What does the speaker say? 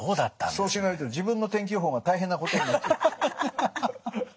そうしないと自分の天気予報が大変なことになっちゃう。